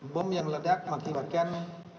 bom yang ledak mengakibatkan